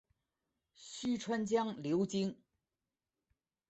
虚川江流经。